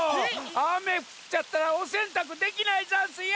あめふっちゃったらおせんたくできないざんすよ！